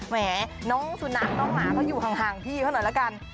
แหมน้องสุนัขน้องหมาเขาอยู่ห่างพี่เขาหน่อยละกัน